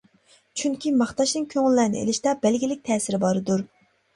چۈنكى ماختاشنىڭ كۆڭۈللەرنى ئېلىشتا بەلگىلىك تەسىرى باردۇر.